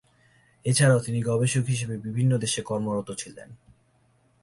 এছাড়াও তিনি গবেষক হিসেবে বিভিন্ন দেশে কর্মরত ছিলেন।